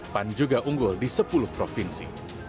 pan juga unggul di sepuluh provinsi